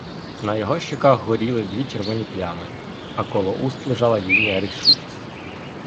На його щоках горіли дві червоні плями, а коло уст лежала лінія рішучості.